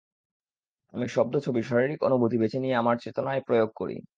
আমি শব্দ, ছবি, শারীরিক অনুভূতি বেছে নিয়ে আমার চেতনায় প্রয়োগ করি।